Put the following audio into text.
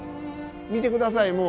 見てください。